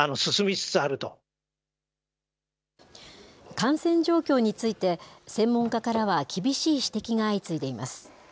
感染状況について専門家からは厳しい指摘が相次いでいます。